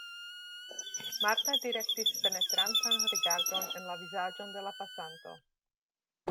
Marta direktis penetrantan rigardon en la vizaĝon de la pasanto.